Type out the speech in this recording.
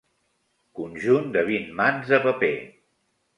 Conjunt de vint mans de paper.